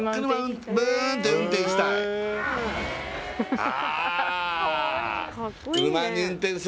ああ！